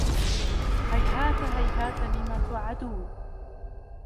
هيهات هيهات لما توعدون